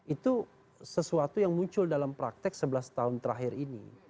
itu sesuatu yang muncul dalam praktek sebelas tahun terakhir ini